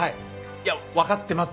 いやわかってます。